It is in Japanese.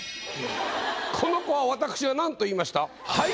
この子は私はなんと言いました？